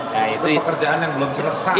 nah itu kerjaan yang belum selesai